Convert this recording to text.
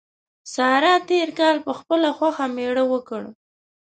سارا تېر کال په خپله خوښه مېړه وکړ.